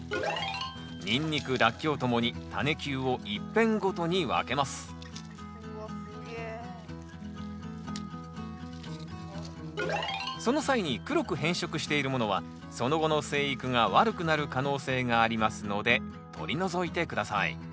ニンニクラッキョウともにタネ球を１片ごとに分けますその際に黒く変色しているものはその後の生育が悪くなる可能性がありますので取り除いて下さい。